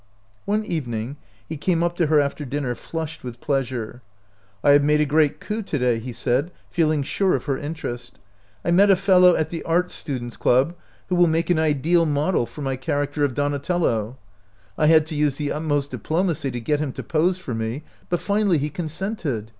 One evening he came up to her after din ner flushed with pleasure. " I have made a great coup to day," he said, feeling sure of her interest. " I met a fellow at the Art Students' Club who will 70 OUT OF BOHEMIA make an ideal model for my character of Donatello. I had to use the utmost diplo macy to get him to pose for me, but finally he consented.